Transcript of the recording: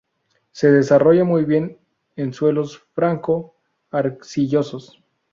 Se desarrolla muy bien en suelos franco arcillosos.